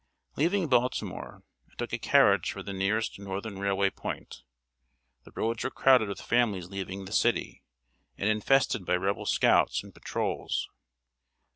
Leaving Baltimore, I took a carriage for the nearest northern railway point. The roads were crowded with families leaving the city, and infested by Rebel scouts and patrols.